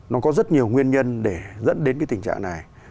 nó có rất nhiều nguyên nhân để dẫn đến cái tình trạng này